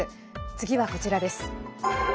次はこちらです。